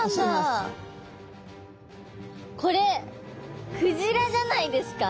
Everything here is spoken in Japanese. これクジラじゃないですか？